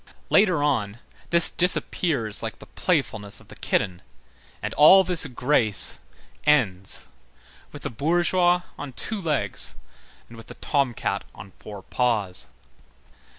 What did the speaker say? Later on, this disappears like the playfulness of the kitten, and all this grace ends, with the bourgeois, on two legs, and with the tomcat, on four paws.